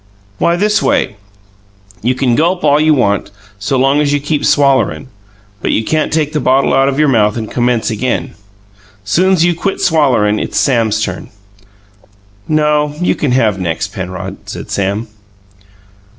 "Why, this way: you can gulp all you want, so long as you keep swallering; but you can't take the bottle out of your mouth and commence again. Soon's you quit swallering it's Sam's turn." "No; you can have next, Penrod," said Sam.